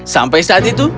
sampai saat itu